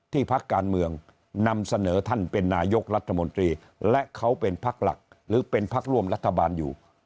พักการเมืองนำเสนอท่านเป็นนายกรัฐมนตรีและเขาเป็นพักหลักหรือเป็นพักร่วมรัฐบาลอยู่